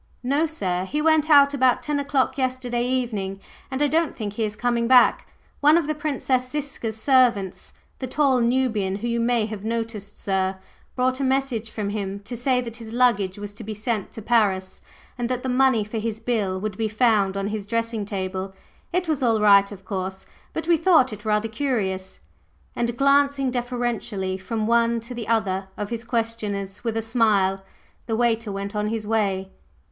"No, sir. He went out about ten o'clock yesterday evening, and I don't think he is coming back. One of the Princess Ziska's servants the tall Nubian whom you may have noticed, sir brought a message from him to say that his luggage was to be sent to Paris, and that the money for his bill would be found on his dressing table. It was all right, of course, but we thought it rather curious." And glancing deferentially from one to the other of his questioners with a smile, the waiter went on his way.